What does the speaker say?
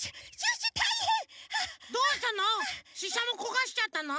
どうしたの？